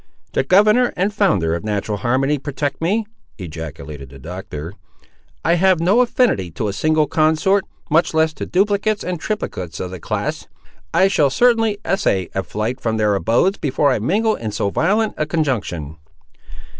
"The Governor and Founder of natural harmony protect me!" ejaculated the Doctor. "I have no affinity to a single consort, much less to duplicates and triplicates of the class! I shall certainly essay a flight from their abodes before I mingle in so violent a conjunction."